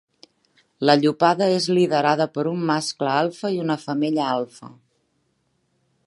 La llopada és liderada per un mascle alfa i una femella alfa.